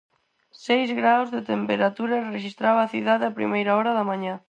Seis graos de temperatura rexistraba a cidade a primeira hora da mañá.